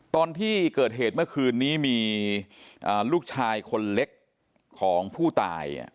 ตอนที่เกิดเหตุเมื่อคืนนี้มีลูกชายคนเล็กของผู้ตาย